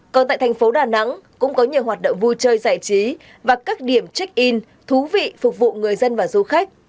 còn tại thành phố đà nẵng cũng có nhiều hoạt động vui chơi giải trí và các điểm check in thú vị phục vụ người dân và du khách